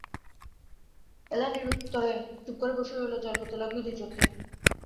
এলা নিরুত্তরে চুপ করে বসে রইল, জল পড়তে লাগল দুই চোখে।